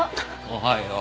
おはよう。